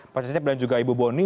pak cecep dan juga ibu boni